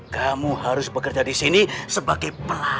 kamu harus bekerja di sini sebagai pelaku